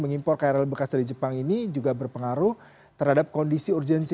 mengimpor krl bekas dari jepang ini juga berpengaruh terhadap kondisi urgensi